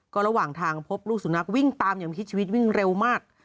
ก็ระหว่างทางพบลูกสุนัขวิ่งตามอย่างคิดชีวิตวิ่งเร็วมาก